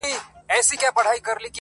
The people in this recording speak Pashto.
نن دي سترګي سمي دمي ميکدې دی،